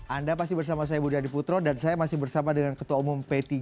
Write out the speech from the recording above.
anda masih bersama saya budi adiputro dan saya masih bersama dengan ketua umum p tiga